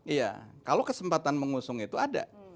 iya kalau kesempatan mengusung itu ada